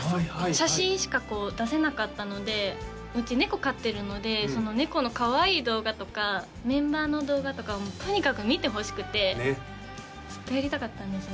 写真しかこう出せなかったのでうち猫飼ってるのでその猫のかわいい動画とかメンバーの動画とかをとにかく見てほしくてねっずっとやりたかったんですよ